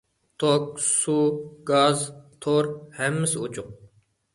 توك، سۇ، گاز، تور ھەممىسى ئوچۇق.